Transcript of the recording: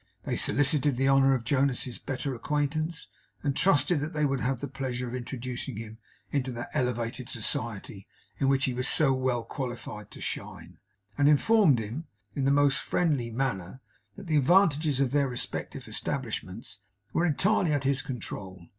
They solicited the honour of Jonas's better acquaintance; trusted that they would have the pleasure of introducing him into that elevated society in which he was so well qualified to shine; and informed him, in the most friendly manner that the advantages of their respective establishments were entirely at his control.